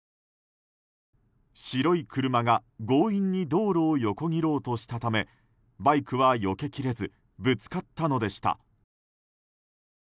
白い車が強引に道路を横切ろうとしたためバイクはよけきれずぶつかったのでした。